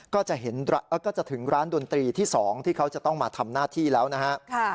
ก็จะถึงร้านดนตรีที่๒ที่เขาจะต้องมาทำหน้าที่แล้วนะครับ